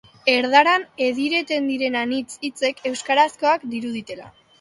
Erdaran edireten diren anitz hitzek euskarazkoak diruditela.